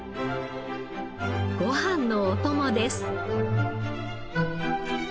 ご飯のお供です。